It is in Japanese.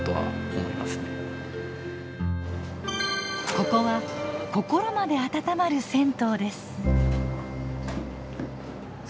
ここは心まであたたまる銭湯です。